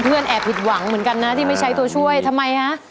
แอบผิดหวังเหมือนกันนะที่ไม่ใช้ตัวช่วยทำไมฮะ